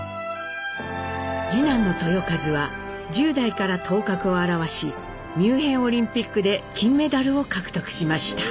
次男の豊和は１０代から頭角を現しミュンヘンオリンピックで金メダルを獲得しました。